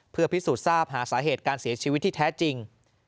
เพื่อพิสูจน์ทราบหาสาเหตุการเสียชีวิตที่แท้จริง